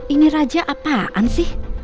ini raja apaan sih